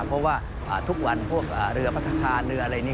เพราะว่าทุกวันพวกเรือพัฒนาคารเรืออะไรนี่